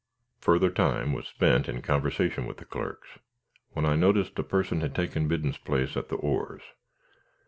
Further time was spent in conversation with the clerks when I noticed a person had taken Biddon's place at the oars.